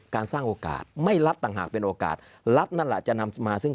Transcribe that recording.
การสร้างโอกาสไม่รับต่างหากเป็นโอกาสรับนั่นแหละจะนำมาซึ่ง